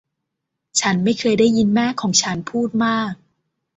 ฉันไม่เคยได้ยินแม่ของฉันพูดมาก